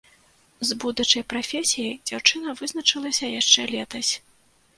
З будучай прафесіяй дзяўчына вызначылася яшчэ летась.